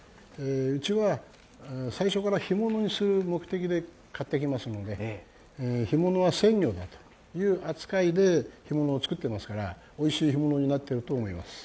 うちは最初から干物にする目的で買ってきますので、干物は鮮魚だという扱いで干物を作ってますからおいしい干物になってると思います。